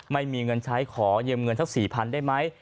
ไม่มีเงินใช้ขอยืมเงินทั้งสี่พันได้ไหม